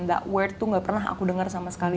that word tuh gak pernah aku dengar sama sekali